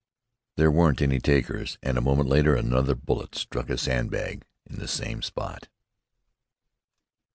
There weren't any takers, and a moment later another bullet struck a sandbag in the same spot.